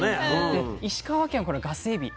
で石川県はガスエビ。